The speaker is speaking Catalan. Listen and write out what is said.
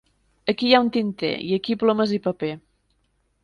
Aquí hi ha un tinter, i aquí plomes i paper.